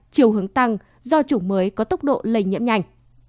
chiều hướng tăng do chủng mới có tốc độ lây nhiễm nhanh